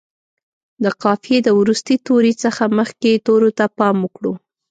د قافیې د وروستي توري څخه مخکې تورو ته پام وکړو.